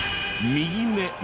右目